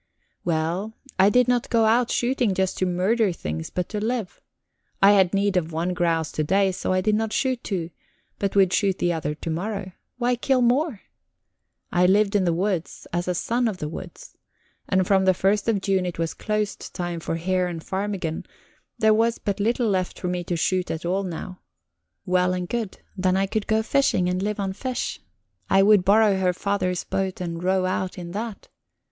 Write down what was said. Well, I did not go out shooting just to murder things, but to live. I had need of one grouse to day, and so I did not shoot two, but would shoot the other to morrow. Why kill more? I lived in the woods, as a son of the woods. And from the first of June it was closed time for hare and ptarmigan; there was but little left for me to shoot at all now. Well and good: then I could go fishing, and live on fish. I would borrow her father's boat and row out in that.